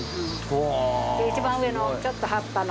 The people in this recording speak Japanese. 一番上のちょっと葉っぱの。